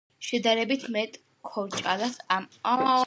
შედარებით მეტ ქორჭილას ამზადებენ ციმბირსა და აზერბაიჯანში.